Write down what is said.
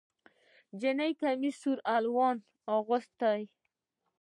نجلۍ کمیس د سور الوان اغوستی